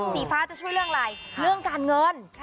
สีฟ้าจะช่วยเรื่องอะไรเรื่องการเงิน